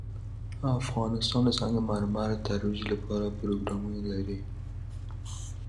افغانستان د سنگ مرمر د ترویج لپاره پروګرامونه لري.